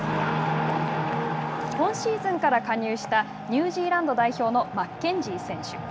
今シーズンから加入したニュージーランド代表のマッケンジー選手。